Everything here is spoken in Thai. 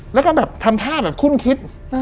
แล้วก็แบบทำท่าแบบคุ้นคิด